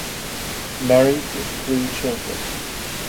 Married with three children.